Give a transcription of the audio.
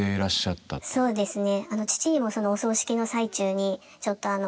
そうですね。